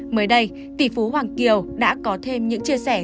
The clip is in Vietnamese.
mới đây tỷ phú hoàng kiều đã có thêm những chia sẻ gây chú ý